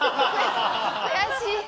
悔しい。